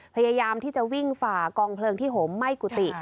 พยายามที่จะวิ่งฝ่ากองเพลิงที่ห่มไหม้กุฏิ